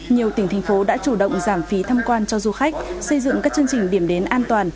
nhiều tỉnh thành phố đã chủ động giảm phí tham quan cho du khách xây dựng các chương trình điểm đến an toàn